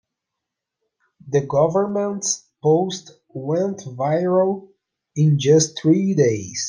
The government's post went viral in just three days.